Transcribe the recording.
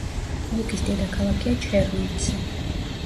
ოლქის დედაქალაქია ჩერნოვცი.